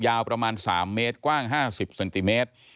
ยาวประมาณ๓เมตรกว้าง๕๐เซนติเมตร